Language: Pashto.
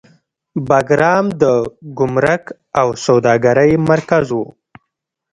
بګرام د ګمرک او سوداګرۍ مرکز و